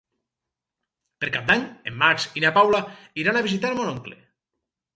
Per Cap d'Any en Max i na Paula iran a visitar mon oncle.